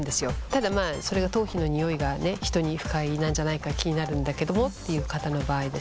ただそれが頭皮のニオイが人に不快なんじゃないか気になるんだけどもっていう方の場合ですね